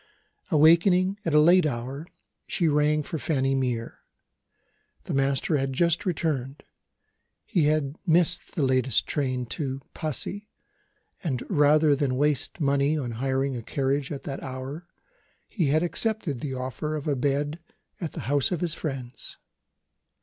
Awakening at a late hour, she rang for Fanny Mere. The master had just returned. He had missed the latest night train to Passy; and, rather than waste money on hiring a carriage at that hour, he had accepted the offer of a bed at the house of his friends.